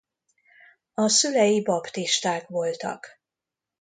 A szülei baptisták voltak.